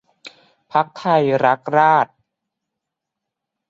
พรรคไทยรักราษฎร์